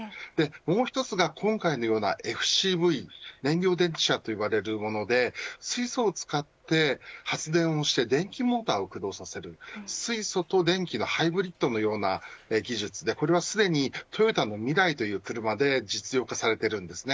もう１つが今回のようなＦＣＶ燃料電池車と呼ばれるもので水素を使って発電をして電気モーターを駆動させる水素と電気のハイブリッドのような技術でこれはすでにトヨタのミライという車で実用化されています。